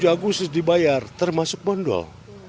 dua puluh tujuh agustus dibayar termasuk bondol